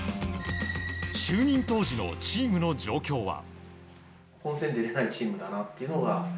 就任当時のチームの状況は。